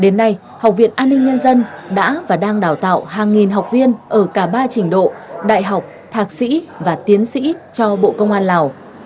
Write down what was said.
đến nay học viện an ninh nhân dân đã và đang đào tạo hàng nghìn học viên ở cả ba trình độ đại học thạc sĩ và tiến sĩ cho bộ công an lào